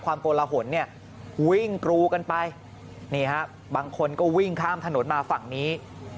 ความโกลหละหนเนี่ยวิ่งกรูกันไปบางคนก็วิ่งข้ามถนนมาฝั่งนี้